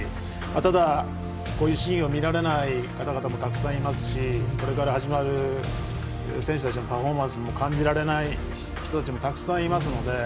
ただ、こういうシーンを見られない方々もたくさんいらっしゃいますしこれから始まる選手たちのパフォーマンスを感じられない人たちもたくさんいますので。